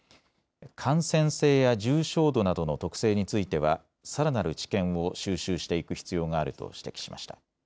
感染性や重症度などの特性については、さらなる知見を収集していく必要があると指摘しました。